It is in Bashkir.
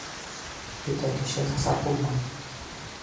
Бөтә кеше насар булмай.